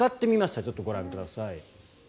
ちょっとご覧ください。